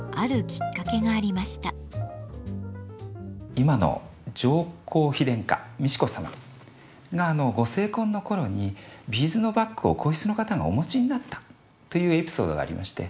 今の上皇妃殿下美智子様がご成婚の頃にビーズのバッグを皇室の方がお持ちになったというエピソードがありまして